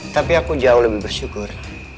tapi aku jauh lebih bersyukur